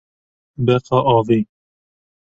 Beqa avê